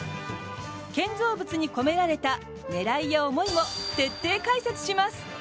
建造物に込められた狙いや思いも徹底解説します。